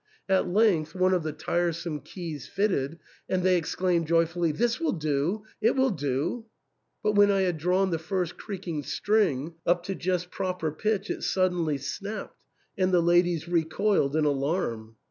At length one of the tiresome keys fitted, and they exclaimed joyfully, " This will do ! it will do !" But when I had drawn the first creaking string up to just proper pitch, it suddenly snapped, and the ladies recoiled in alarm.